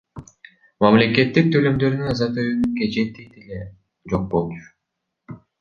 Мамлекеттик төлөмдөрдү азайтуунун кажети деле жок болчу.